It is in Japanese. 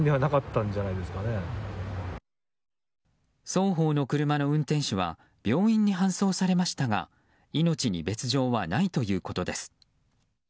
双方の車の運転手は病院に搬送されましたが命に別条はないということです。